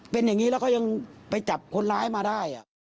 เป็นอย่างนี้แล้วเขายังไปจับคนร้ายมาได้